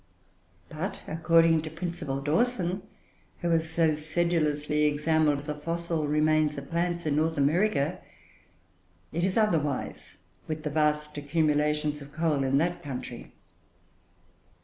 But, according to Principal Dawson, who has so sedulously examined the fossil remains of plants in North America, it is otherwise with the vast accumulations of coal in that country.